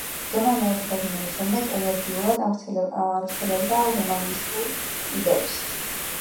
გერმანიაში დაბრუნების შემდეგ ენერგიულად ავრცელებდა ჰუმანისტურ იდეებს.